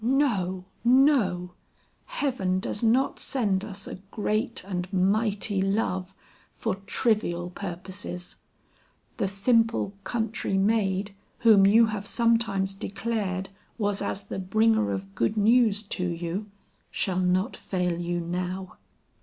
No, no. Heaven does not send us a great and mighty love for trivial purposes. The simple country maid whom you have sometimes declared was as the bringer of good news to you, shall not fail you now."